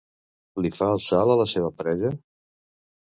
Li fa el salt a la seva parella?